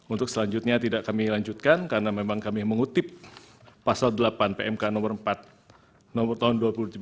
untuk selanjutnya tidak kami lanjutkan karena memang kami mengutip pasal delapan pmk nomor tahun dua ribu tujuh belas